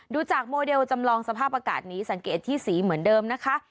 ดูจากโมเดลจำลองสภาพอากาศนี้สังเกตที่สีเหมือนเดิมนะคะ